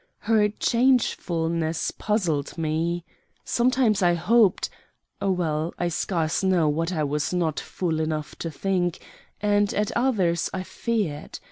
Her changefulness puzzled me. Sometimes I hoped well, I scarce know what I was not fool enough to think; and at others I feared.